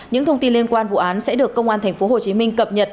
những thông tin liên quan vụ án sẽ được công an tp hcm cập nhật